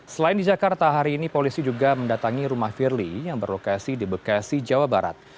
selain di jakarta hari ini polisi juga mendatangi rumah firly yang berlokasi di bekasi jawa barat